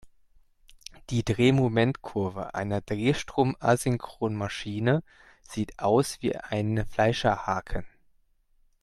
Die Drehmomentkurve einer Drehstrom-Asynchronmaschine sieht aus wie ein Fleischerhaken.